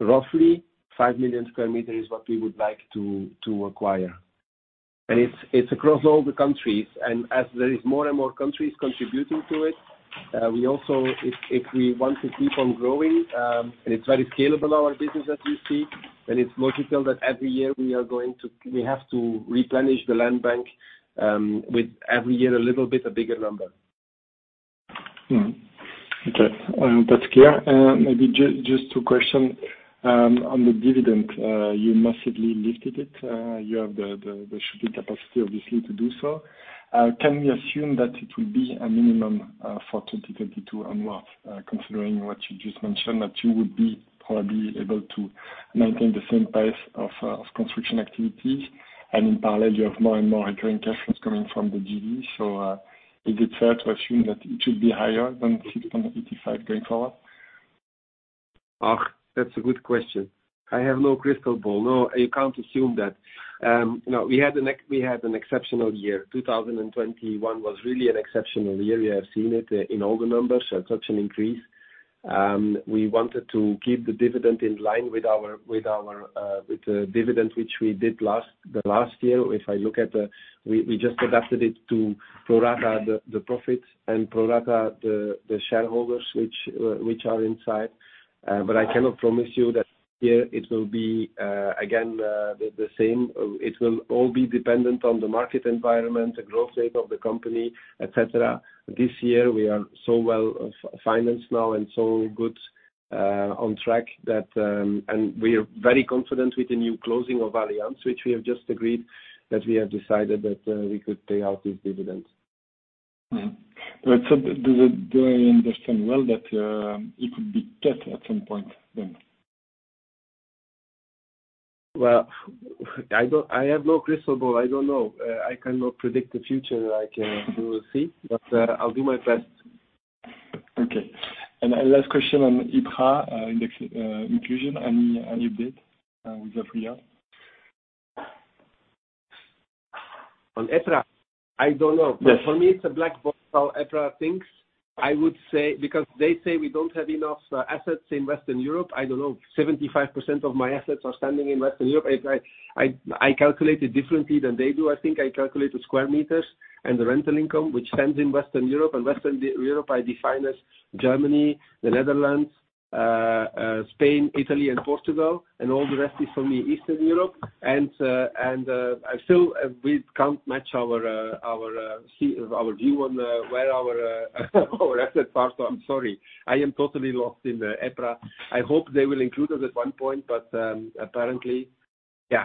S2: roughly 5 million sq m is what we would like to acquire. It's across all the countries. As there is more and more countries contributing to it, we also, if we want to keep on growing, and it's very scalable, our business as you see, then it's logical that every year we have to replenish the land bank with every year a little bit bigger number.
S7: Okay. That's clear. Maybe just two questions on the dividend. You massively lifted it. You have the financing capacity obviously to do so. Can we assume that it will be a minimum for 2022 onwards, considering what you just mentioned, that you would be probably able to maintain the same pace of construction activities? In parallel, you have more and more recurring cash flows coming from the GD. Is it fair to assume that it should be higher than 6.85 going forward?
S2: That's a good question. I have no crystal ball. No, you can't assume that. We had an exceptional year. 2021 was really an exceptional year. We have seen it in all the numbers, such an increase. We wanted to keep the dividend in line with our dividend which we did last year. If I look at, we just adapted it to pro rata the profits and pro rata the shareholders which are inside. I cannot promise you that here it will be again the same. It will all be dependent on the market environment, the growth rate of the company, et cetera. This year we are so well financed now and so good on track that. We are very confident with the new closing of Allianz, which we have just agreed, that we have decided that we could pay out this dividend.
S7: Do I understand well that it could be cut at some point then?
S2: Well, I have no crystal ball. I don't know. I cannot predict the future like you will see, but I'll do my best.
S7: Okay. A last question on EPRA index inclusion and update with EPRA.
S2: On EPRA? I don't know.
S7: Yes.
S2: For me, it's a black box how EPRA thinks. I would say because they say we don't have enough assets in Western Europe. I don't know, 75% of my assets are standing in Western Europe. If I calculate it differently than they do, I think. I calculate the square meters and the rental income which stands in Western Europe. Western Europe I define as Germany, the Netherlands, Spain, Italy, and Portugal, and all the rest is for me Eastern Europe. Still, we can't match our view on where our assets are. I'm sorry. I am totally lost in the EPRA. I hope they will include us at one point, but apparently, yeah,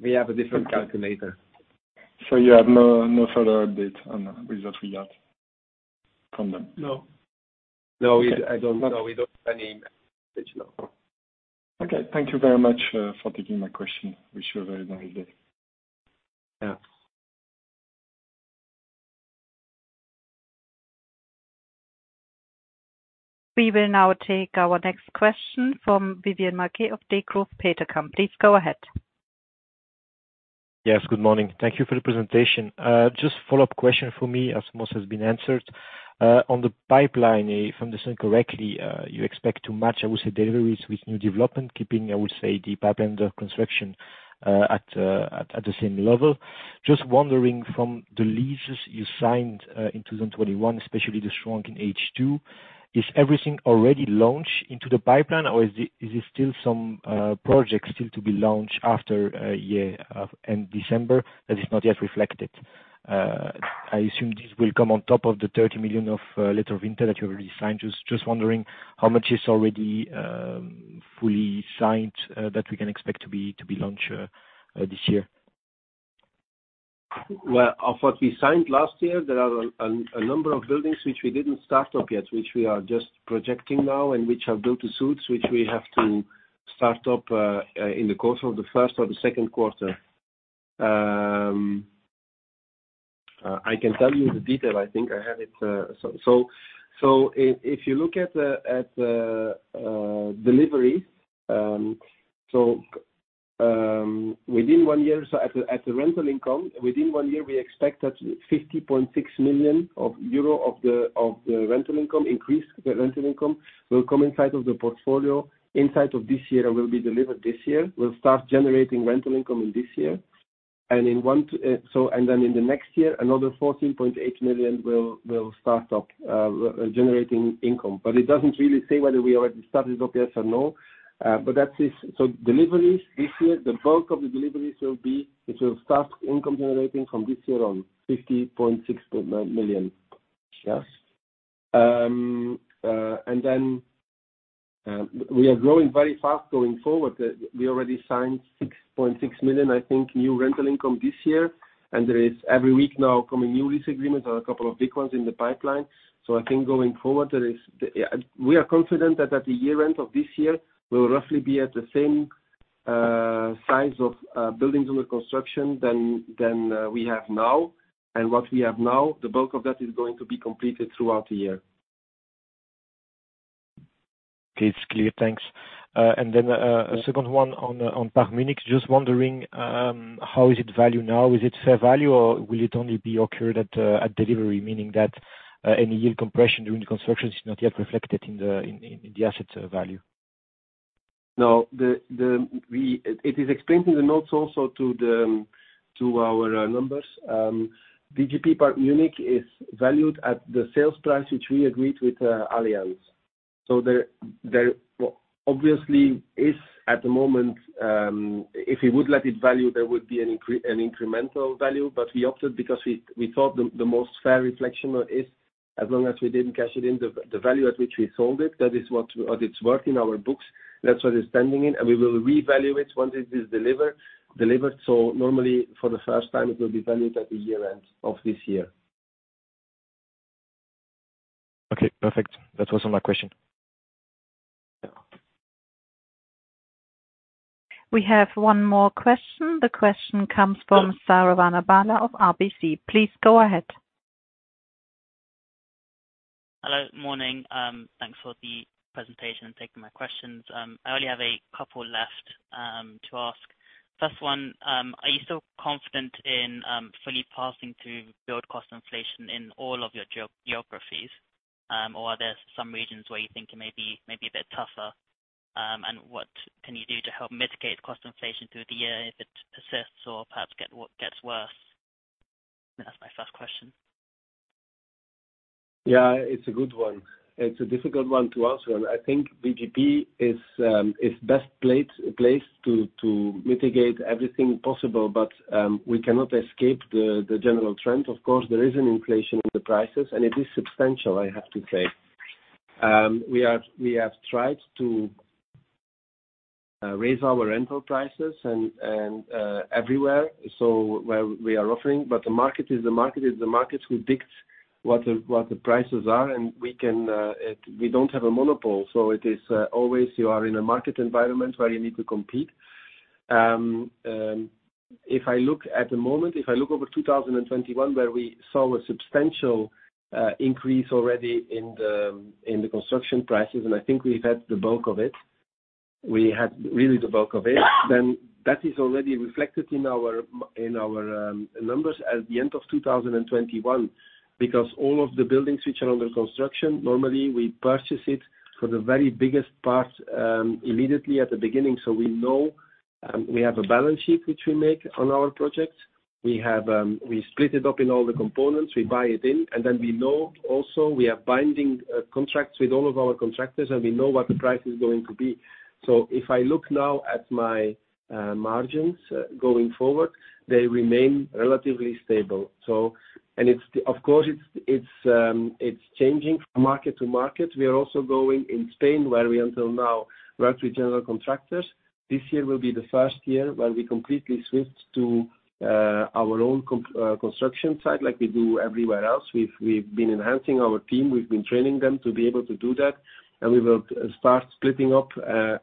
S2: we have a different calculator.
S7: You have no further update on with EPRA from them?
S2: No, we.
S7: Okay.
S2: I don't know. We don't have any update, no.
S7: Okay. Thank you very much, for taking my question. Wish you a very nice day.
S2: Yeah.
S1: We will now take our next question from Vivien Marquet of Degroof Petercam. Please go ahead.
S8: Yes, good morning. Thank you for the presentation. Just follow-up question from me, as most has been answered. On the pipeline, if I understand correctly, you expect to match, I would say, deliveries with new development keeping, I would say, the pipeline construction at the same level. Just wondering from the leases you signed in 2021, especially the strong in H2, is everything already launched into the pipeline or is it still some projects still to be launched after year-end December that is not yet reflected? I assume this will come on top of the 30 million letter of intent that you already signed. Just wondering how much is already fully signed that we can expect to be launched this year.
S2: Well, of what we signed last year, there are a number of buildings which we didn't start up yet, which we are just projecting now and which are built-to-suit, which we have to start up in the course of the first or the second quarter. I can tell you the detail. I think I have it. If you look at the delivery, within one year, at the rental income, within one year, we expect that 50.6 million euro of the rental income, increased rental income will come inside of the portfolio, inside of this year and will be delivered this year. We'll start generating rental income in this year. In one, so and then in the next year, another 14.8 million will start up generating income. It doesn't really say whether we already started up yet or no. That's it. Deliveries this year, the bulk of the deliveries will be, which will start income generating from this year on, 56.9 million.
S8: Yes.
S2: We are growing very fast going forward. We already signed 6.6 million, I think, new rental income this year. There is every week now coming new lease agreements or a couple of big ones in the pipeline. I think going forward, there is, we are confident that at the year-end of this year, we will roughly be at the same size of buildings under construction than we have now. What we have now, the bulk of that is going to be completed throughout the year.
S8: Okay. It's clear. Thanks. A second one on Park Munich, just wondering how is it valued now? Is it fair value or will it only be recognized at delivery, meaning that any yield compression during the construction is not yet reflected in the asset value?
S2: No, it is explained in the notes also to our numbers. VGP Park Munich is valued at the sales price, which we agreed with Allianz. There obviously is at the moment, if we would let it value, there would be an incremental value. But we opted because we thought the most fair reflection is as long as we didn't cash it in, the value at which we sold it, that is what or it's worth in our books, that's what is standing in, and we will reevaluate once it is delivered. Normally, for the first time, it will be valued at the year-end of this year.
S8: Okay, perfect. That was all my question.
S2: Yeah.
S1: We have one more question. The question comes from Marios Pastou of RBC. Please go ahead.
S9: Hello, morning. Thanks for the presentation and taking my questions. I only have a couple left to ask. First one, are you still confident in fully passing through build cost inflation in all of your geographies? Or are there some regions where you think it may be a bit tougher? And what can you do to help mitigate cost inflation through the year if it persists or perhaps gets worse? That's my first question.
S2: Yeah, it's a good one. It's a difficult one to answer. I think VGP is the best place to mitigate everything possible. We cannot escape the general trend. Of course, there is an inflation in the prices, and it is substantial, I have to say. We have tried to raise our rental prices and everywhere we are offering, but the market is the market who dictates what the prices are. We can we don't have a monopoly, so it is always you are in a market environment where you need to compete. If I look over 2021 where we saw a substantial increase already in the construction prices, and I think we've had really the bulk of it. That is already reflected in our numbers at the end of 2021, because all of the buildings which are under construction, normally we purchase it for the very biggest part immediately at the beginning. We know we have a balance sheet which we make on our projects. We split it up in all the components, we buy it in, and then we know also we have binding contracts with all of our contractors, and we know what the price is going to be. If I look now at my margins going forward, they remain relatively stable. Of course, it's changing from market to market. We are also going in Spain, where we until now worked with general contractors. This year will be the first year where we completely switched to our own construction site, like we do everywhere else. We've been enhancing our team, we've been training them to be able to do that, and we will start splitting up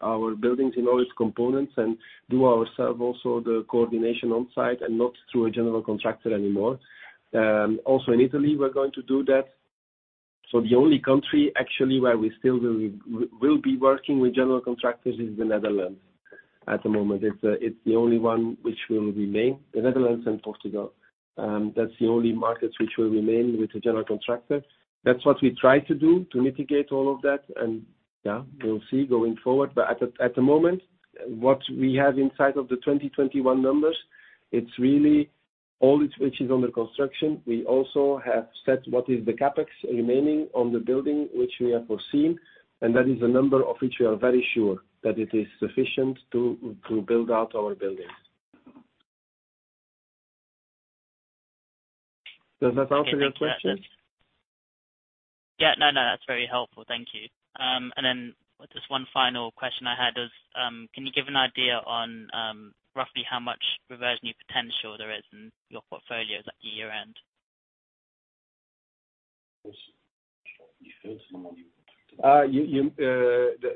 S2: our buildings in all its components and do ourselves also the coordination on site and not through a general contractor anymore. Also in Italy, we're going to do that. The only country actually where we still will be working with general contractors is the Netherlands at the moment. It's the only one which will remain, the Netherlands and Portugal. That's the only markets which will remain with the general contractor. That's what we try to do to mitigate all of that. Yeah, we'll see going forward. At the moment, what we have inside of the 2021 numbers, it's really all it which is under construction. We also have set what is the CapEx remaining on the building, which we have foreseen, and that is a number of which we are very sure that it is sufficient to build out our buildings. Does that answer your question?
S9: Yeah. No, no, that's very helpful. Thank you. Just one final question I had was, can you give an idea on, roughly how much revenue potential there is in your portfolios at the year-end?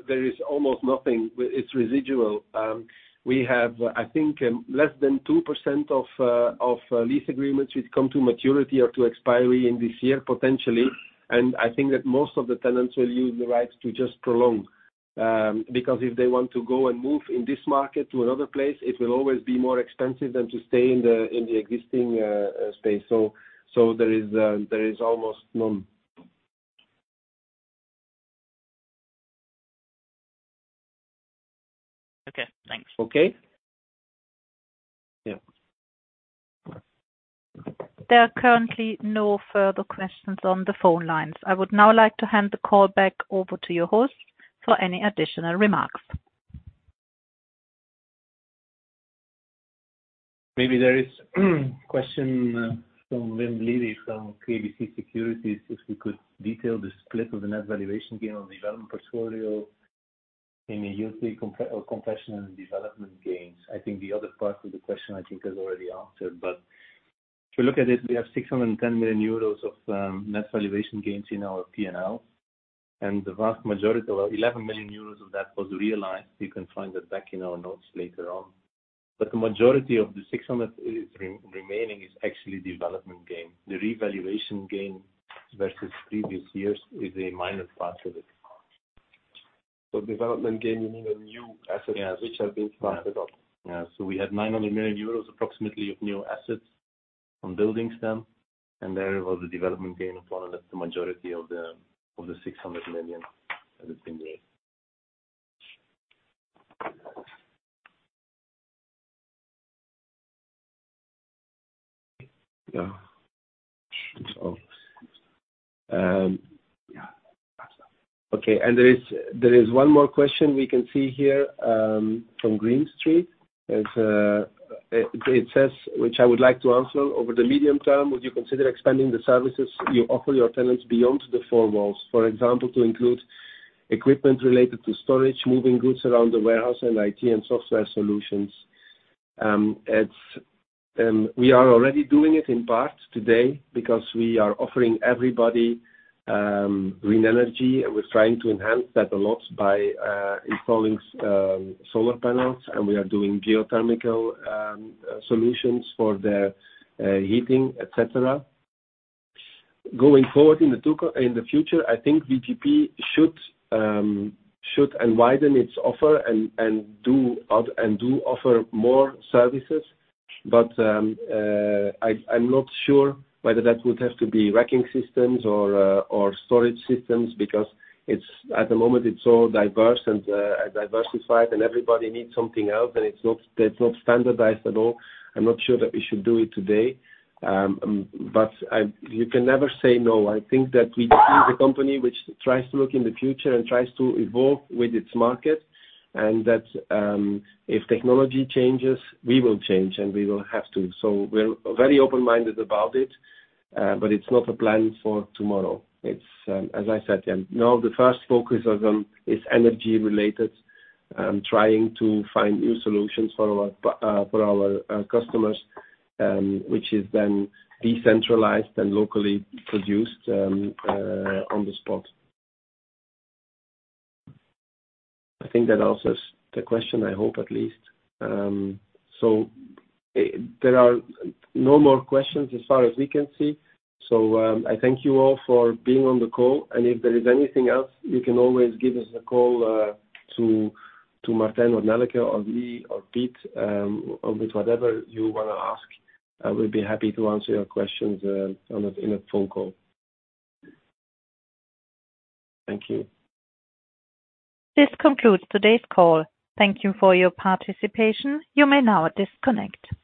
S2: There is almost nothing. It's residual. We have, I think, less than 2% of lease agreements which come to maturity or to expiry in this year, potentially. I think that most of the tenants will use the rights to just prolong, because if they want to go and move in this market to another place, it will always be more expensive than to stay in the existing space. There is almost none.
S9: Okay, thanks.
S2: Okay? Yeah.
S1: There are currently no further questions on the phone lines. I would now like to hand the call back over to your host for any additional remarks.
S4: Maybe there is a question from Wim Lewi from KBC Securities if we could detail the split of the net valuation gain on the development portfolio in compression and development gains. I think the other part of the question is already answered. If you look at it, we have 610 million euros of net valuation gains in our P&L. The vast majority, well, 11 million euros of that was realized. You can find that back in our notes later on. The majority of the six hundred remaining is actually development gain. The revaluation gain versus previous years is a minor part of it.
S3: Development gain, you mean a new asset?
S2: Yes.
S3: which have been started up?
S2: We had EUR 900 million approximately of new assets on buildings, then, and there was a development gain of EUR 600 million that has been made. There is one more question we can see here from Green Street. It says, which I would like to answer. Over the medium-term, would you consider expanding the services you offer your tenants beyond the four walls, for example, to include equipment related to storage, moving goods around the warehouse and IT and software solutions? We are already doing it in part today because we are offering everybody green energy. We're trying to enhance that a lot by installing solar panels, and we are doing geothermal solutions for the heating, etc. Going forward in the future, I think VGP should widen its offer and do offer more services. I'm not sure whether that would have to be racking systems or storage systems because at the moment it's all diverse and diversified and everybody needs something else, and that's not standardized at all. I'm not sure that we should do it today. You can never say no. I think that we are the company which tries to look in the future and tries to evolve with its market, and that if technology changes, we will change, and we will have to. We're very open-minded about it, but it's not a plan for tomorrow. It's, as I said, you know, the first focus of is energy related, trying to find new solutions for our customers, which is then decentralized and locally produced on the spot. I think that answers the question, I hope at least. There are no more questions as far as we can see. I thank you all for being on the call, and if there is anything else, you can always give us a call to Martijn or Nelleke or me or Piet with whatever you wanna ask. I will be happy to answer your questions in a phone call. Thank you.
S1: This concludes today's call. Thank you for your participation. You may now disconnect.